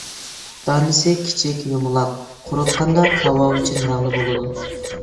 دانىسى كىچىك يۇمىلاق، قۇرۇتقاندا كاۋاۋىچىن رەڭدە بولىدۇ.